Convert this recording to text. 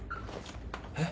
えっ！？